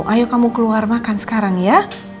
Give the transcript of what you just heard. ayo kamu keluar makan sekarang ya